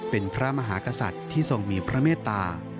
เป็นพระมหากษัตริย์ที่ทรงมีพระเมตตา